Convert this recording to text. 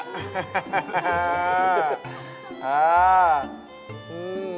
อ้าว